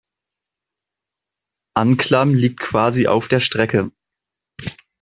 Anklam liegt quasi auf der Strecke.